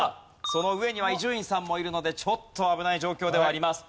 その上には伊集院さんもいるのでちょっと危ない状況ではあります。